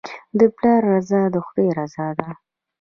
د پلار رضا د خدای رضا ده.